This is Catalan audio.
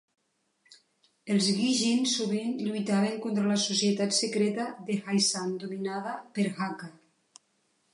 Els Ghee Hin sovint lluitaven contra la societat secreta de Hai San, dominada per Hakka.